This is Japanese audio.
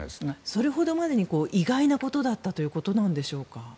それほどまでに意外なことだったということでしょうか。